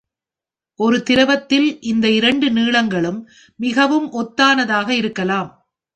ஒரு திரவத்தில் இந்த இரண்டு நீளங்களும் மிகவும் ஒத்தானதாக இருக்கலாம்.